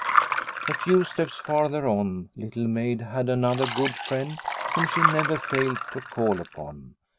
A few steps farther on Little Maid had another good friend whom she never failed to call upon.